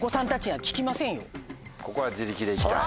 ここは自力で行きたい？